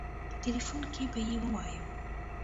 په ټيليفون کې به يې ووايم.